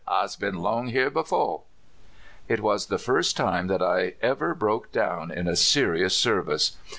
I's been '^ono here befo\'' It was the lirst time that I ever broke down in a serious service.